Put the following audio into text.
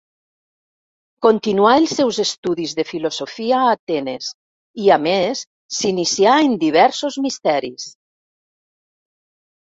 Continuà els seus estudis de filosofia a Atenes, i, a més, s'inicià en diversos misteris.